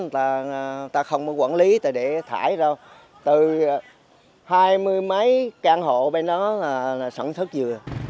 người ta không có quản lý để thải đâu từ hai mươi mấy căn hộ bên đó là sản xuất dừa